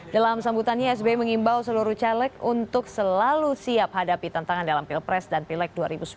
dalam sambutannya sbi mengimbau seluruh caleg untuk selalu siap hadapi tantangan dalam pilpres dan pilek dua ribu sembilan belas